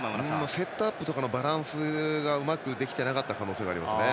セットアップのバランスがうまくいっていなかった可能性がありますね。